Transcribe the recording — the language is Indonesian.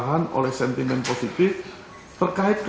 rupiah secara rata rata